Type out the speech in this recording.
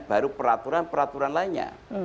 baru peraturan peraturan lainnya